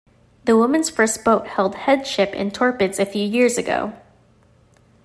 The women's first boat held headship in Torpids a few years ago.